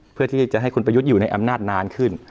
เพื่อที่จะให้คุณประยุทธ์อยู่ในอำนาจนานขึ้น